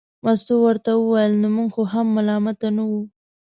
مستو ورته وویل نو موږ خو هم ملامته نه وو.